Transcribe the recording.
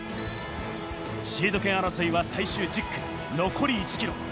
シード権争いは最終１０区、残り１キロ。